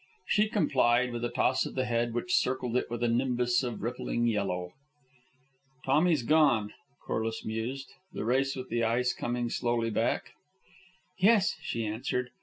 She complied, with a toss of the head which circled it with a nimbus of rippling yellow. "Tommy's gone," Corliss mused, the race with the ice coming slowly back. "Yes," she answered.